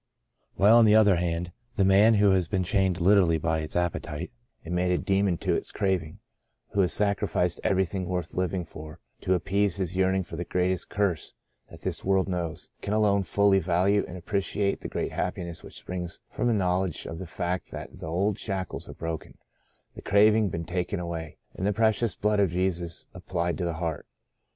While on the other hand, the 1^2 By a Great Deliverance man who has been literally chained by its appetite and made a demon to its craving, who has sacrificed everything worth living for to appease his yearning for the greatest curse that this world knows, can alone fully value and appreciate the great happiness which springs from a knowledge of the fact that the old shackles are broken, the craving been taken away, and the precious blood of Jesus applied to the heart.